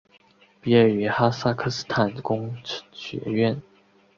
毕业于哈萨克斯坦工学院。